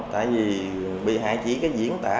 tại vì bị hại chỉ có diễn tả